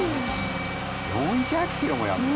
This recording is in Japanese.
４００キロもやるの？